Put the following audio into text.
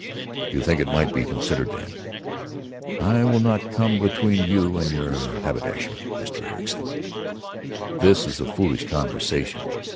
"You think it might be considered then?" "I will not come between you and your haberdasher, Mr. Ericson." "This is a foolish conversation.